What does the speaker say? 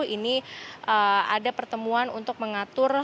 ini ada pertemuan untuk mengatur